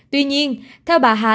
tuy nhiên theo bà hà